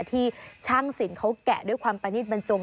ที่ช่างสินเขาแกะด้วยความประณิตบรรจง